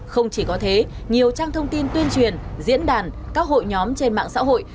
không chỉ có thế nhiều trang thông tin tuyên truyền diễn đàn các hội nhóm trên mạng xã hội